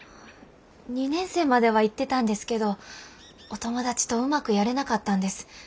２年生までは行ってたんですけどお友達とうまくやれなかったんです。